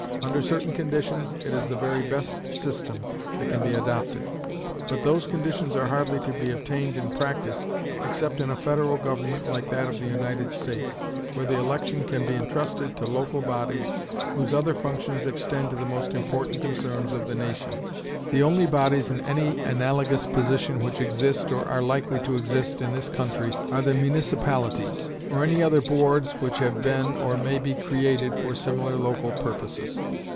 Under certain conditions it is the very best system that can be adopted. But those conditions are hardly to be obtained in practice except in a federal government like that of the United States, where the election can be intrusted to local bodies whose other functions extend to the most important concerns of the nation. The only bodies in any analogous position which exist, or are likely to exist, in this country, are the municipalities, or any other boards which have been or may be created for similar local purposes.